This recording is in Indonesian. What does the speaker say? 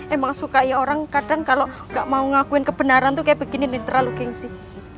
emang suka ya orang kadang kalo gak mau ngakuin kebenaran tuh kayak begini lintra lu geng sih